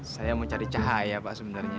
saya mau cari cahaya pak sebenarnya